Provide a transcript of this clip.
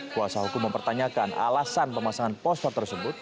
kuasa hukum mempertanyakan alasan pemasangan poster tersebut